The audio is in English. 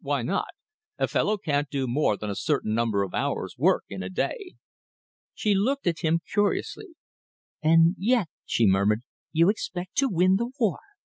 Why not? A fellow can't do more than a certain number of hours' work in a day." She looked at him curiously. "And yet," she murmured, "you expect to win the war!"